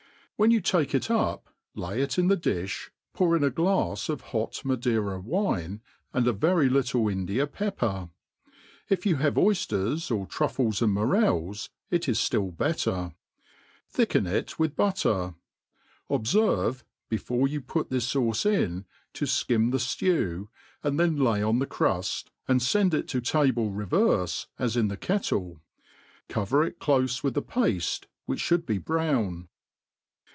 ^?..•, When you takejt up^ lay jt in^thc dllb, poiir in a glafs of bot Madeira wine, aad a vjpry fiule InJia pepper ; if you have oyfters, or truffles and morfels,, it is Hill bcttcj j' thici^en it with butler. Obferve, before you put this Q.uce in, to fkim the ftew, and then Tay on ibe cruft, and iend it. to table re verfe as in the kettle j cover it clofe with the pafte, which fliould be brown.